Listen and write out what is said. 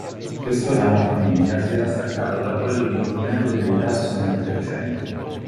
Questo ramo famiglia si era staccato da quello di Cornello dei Tasso nel Trecento.